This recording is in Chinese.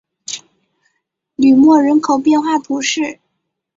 吕莫人口变化图示